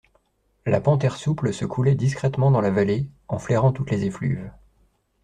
La panthère souple se coulait discrètement dans la vallée en flairant toutes les effluves.